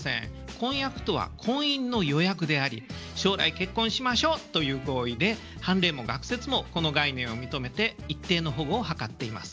婚約とは「婚姻の予約」であり「将来結婚しましょう」という合意で判例も学説もこの概念を認めて一定の保護を図っています。